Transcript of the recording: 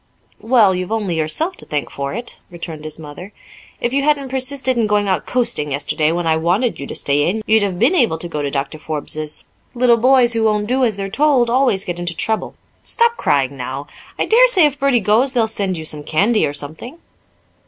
"Well, you've only yourself to thank for it," returned his mother. "If you hadn't persisted in going out coasting yesterday when I wanted you to stay in, you'd have been able to go to Doctor Forbes's. Little boys who won't do as they're told always get into trouble. Stop crying, now. I dare say if Bertie goes they'll send you some candy, or something."